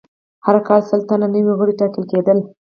هر کال سل تنه نوي غړي ټاکل کېدل.